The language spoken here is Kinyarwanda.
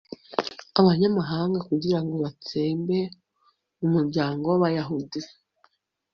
b'abanyamahanga, kugira ngo batsembe umuryango w'abayahudi